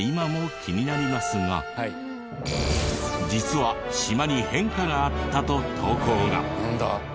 実は島に変化があったと投稿が！